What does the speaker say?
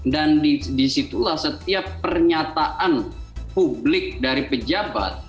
disitulah setiap pernyataan publik dari pejabat